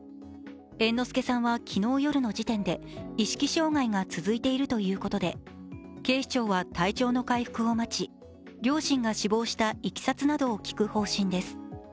猿之助さんは昨日夜の時点で意識障害が続いているということで警視庁は体調の回復を待ち両親が死亡したいきさつなどを聞く方針です。